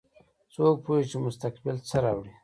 څوک پوهیږي چې مستقبل څه راوړي